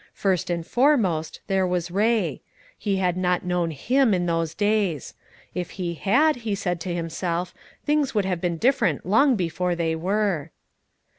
First and foremost, there was Ray: he had not known him in those days; if he had, he said to himself, things would have been different long before they were.